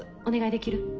お願いできる？